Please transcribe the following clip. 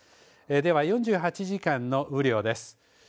では、４８時間の雨量です。